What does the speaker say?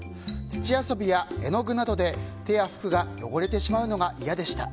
土遊びや絵の具などで手や服が汚れてしまうのが嫌でした。